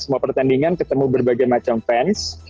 semua pertandingan ketemu berbagai macam fans